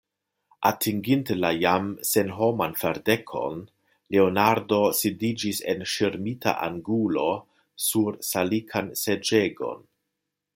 Atinginte la jam senhoman ferdekon, Leonardo sidiĝis en ŝirmita angulo sur salikan seĝegon.